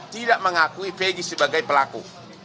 tidak mengakui fegi sebagai pelaku